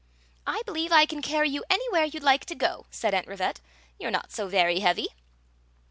" I believe I can carry you anywhere you 'd like to go," said Aunt Rivette. " You 're not so very heavy."